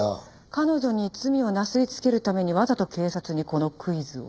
彼女に罪をなすりつけるためにわざと警察にこのクイズを。